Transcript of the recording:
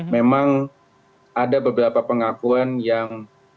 memang ada beberapa pengakuan yang